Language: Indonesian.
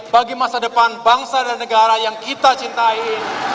bagi masa depan bangsa dan negara yang kita cintai